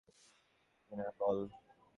ফিরে যাবি কি না বল।